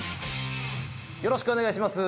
よろしくお願いします